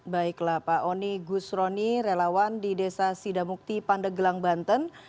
baiklah pak oni gusroni relawan di desa sidamukti pandeglang banten